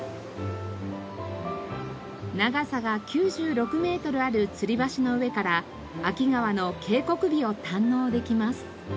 長さが９６メートルあるつり橋の上から秋川の渓谷美を堪能できます。